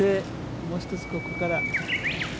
もう一つここから。